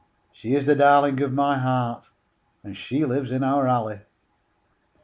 She is the darling of my heart, And she lives in my alley.